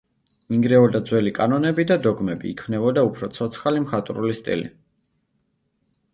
ინგრეოდა ძველი კანონები და დოგმები, იქმნებოდა, უფრო ცოცხალი მხატვრული სტილი.